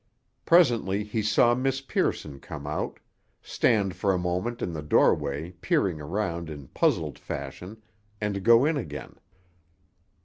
Presently he saw Miss Pearson come out, stand for a moment in the doorway peering around in puzzled fashion, and go in again.